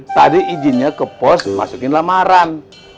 tadi izinnya ke pos masukin lamaran